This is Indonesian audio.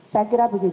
saya kira begitu